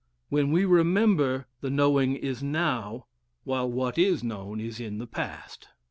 When we remember, the knowing is now, while what is known is in the past.